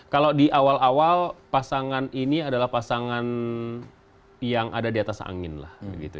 kalau di awal awal pasangan ini adalah pasangan yang ada di atas angin lah